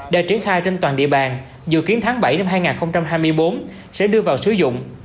đã triển khai trên toàn địa bàn dự kiến tháng bảy năm hai nghìn hai mươi bốn sẽ đưa vào sử dụng